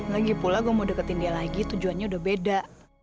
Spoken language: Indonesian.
lagi pula gue mau deketin dia lagi tujuannya udah beda